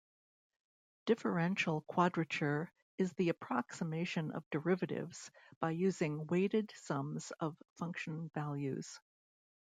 Differential quadrature is the approximation of derivatives by using weighted sums of function values.